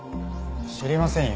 知りませんよ